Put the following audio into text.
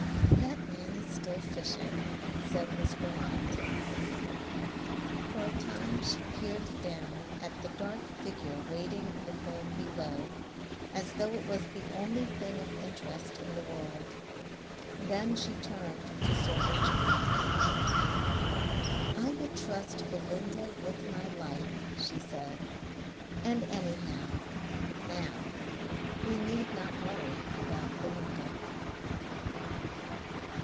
"That man is still fishing," said Miss Grammont. For a time she peered down at the dark figure wading in the foam below as though it was the only thing of interest in the world. Then she turned to Sir Richmond. "I would trust Belinda with my life," she said. "And anyhow now we need not worry about Belinda."